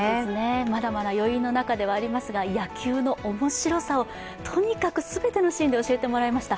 まだまだ余韻の中ではありますが野球の面白さをとにかく全てのシーンで教えてもらいました。